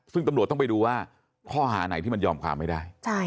ซึ่งตำรวจต้องไปดูว่าข้อหาไหนที่มันยอมความไม่ได้